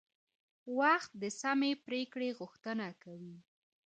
وخت د سمې پریکړې غوښتنه کوي